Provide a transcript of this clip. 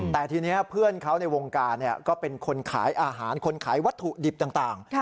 แต่ทีนี้เพื่อนเขาในวงการก็เป็นคนขายอาหารคนขายวัตถุดิบต่าง